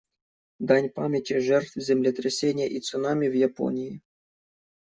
Дань памяти жертв землетрясения и цунами в Японии.